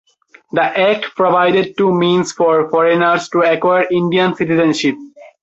The Act provided two means for foreigners to acquire Indian citizenship.